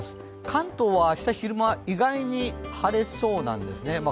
関東は明日昼間、意外に晴れそうなんですね。